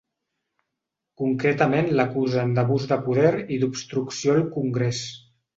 Concretament l’acusen d’abús de poder i d’obstrucció al congrés.